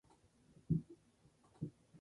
Actualmente dichos indicadores no funcionan.